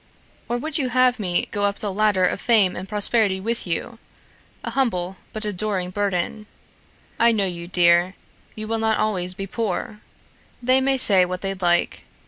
Or would you have me go up the ladder of fame and prosperity with you, a humble but adoring burden? I know you, dear. You will not always be poor. They may say what they like.